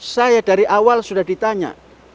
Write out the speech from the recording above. saya dari awal sudah ditanya